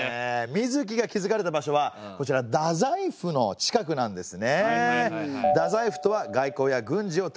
水城が築かれた場所はこちら大宰府の近くなんですね。